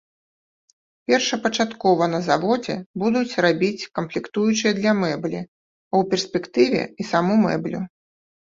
Першапачаткова на заводзе будуць рабіць камплектуючыя для мэблі, а ў перспектыве і саму мэблю.